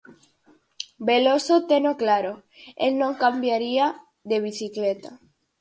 Veloso teno claro, el non cambiaría de bicicleta...